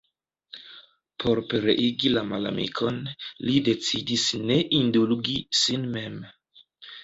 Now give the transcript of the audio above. Por pereigi la malamikon, li decidis ne indulgi sin mem.